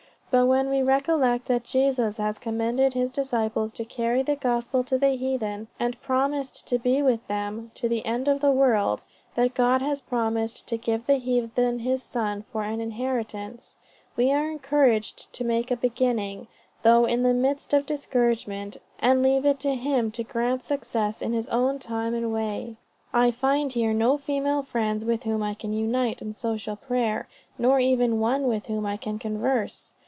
But when we recollect that Jesus has commanded his disciples to carry the gospel to the heathen, and promised to be with them to the end of the world; that God has promised to give the heathen to his Son for an inheritance, we are encouraged to make a beginning, though in the midst of discouragement, and leave it to Him to grant success in his own time and way." "I find here no female friends with whom I can unite in social prayer, nor even one with whom I can converse.